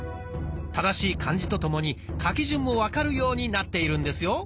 正しい漢字とともに書き順も分かるようになっているんですよ。